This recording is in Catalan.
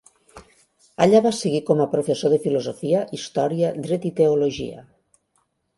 Allà va seguir com a professor de filosofia, història, dret i teologia.